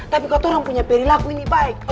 tapi katorang punya peri lagu ini baik